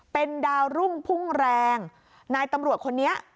เป็นดาวรุ่งพุ่งแรงนายตำรวจคนนี้